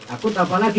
aku tak apa lagi